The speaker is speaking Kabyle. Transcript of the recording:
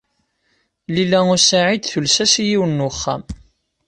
Lila u Saɛid tules-as i yiwen n wexxam.